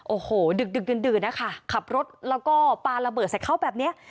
โอ้โหดึกดื่นนะคะขับรถแล้วก็ปลาระเบิดใส่เขาแบบนี้